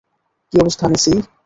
কী অবস্থা, নেসি?